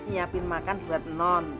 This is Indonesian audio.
nyiapin makan buat non